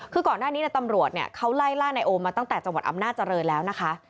คือก่อนหน้านี้ตำรวจเขาไล่ล่านายโอมาตั้งแต่จังหวัดอำนาจริงแล้วนะคะ